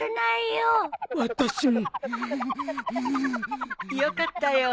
よかったよ。